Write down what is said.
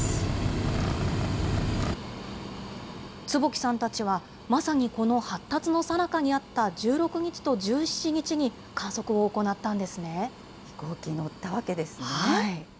坪木さんたちはまさにこの発達のさなかにあった１６日と１７飛行機乗ったわけですね。